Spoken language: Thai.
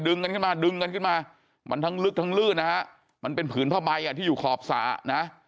กันขึ้นมาดึงกันขึ้นมามันทั้งลึกทั้งลื่นนะฮะมันเป็นผืนผ้าใบอ่ะที่อยู่ขอบสระนะ